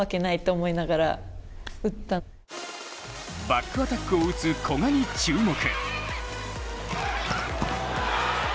バックアタックを打つ古賀に注目。